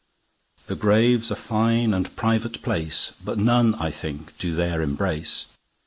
The Grave's a fine and private place, But none I think do there embrace.